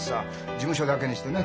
事務所だけにしてね。